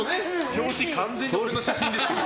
表紙、完全に俺の写真ですよ。